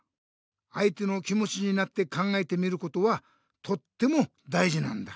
あいての気もちになって考えてみることはとってもだいじなんだ。